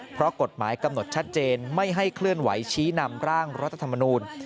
เพราะกฎหมายกำหนดชัดเจนไม่ให้เคลื่อนไหวชี้นำร่างรัฐธรรมนูล